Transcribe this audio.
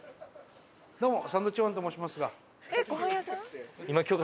どうもサンドウィッチマンと申しますが。